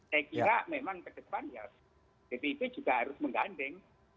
saya kira memang ke depannya dpp juga harus menggandeng